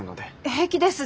平気です